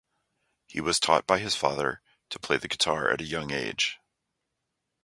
He was taught by his father to play the guitar at a young age.